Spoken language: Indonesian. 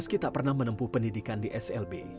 meski tak pernah menempuh pendidikan di slb